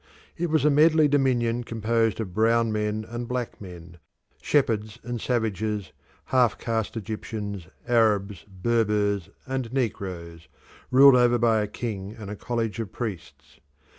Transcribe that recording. It was a medley dominion composed of brown men and black men, shepherds and savages, half caste Egyptians, Arabs, Berbers, and negroes, ruled over by a king and a college of priests.